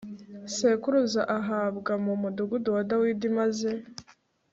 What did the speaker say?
sekuruza ahambwa mu mudugudu wa Dawidi maze